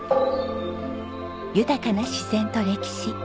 豊かな自然と歴史。